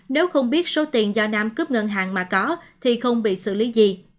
nếu không biết số tiền do nam cướp ngân hàng mà có thì không bị xử lý gì